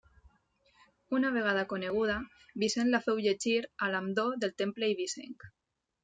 Una vegada coneguda, Vicent la féu llegir a l'ambó del temple eivissenc.